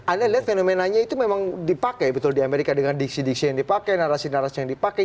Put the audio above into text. anda lihat fenomenanya itu memang dipakai betul di amerika dengan diksi diksi yang dipakai narasi narasi yang dipakai